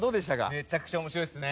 めちゃくちゃ面白いですね。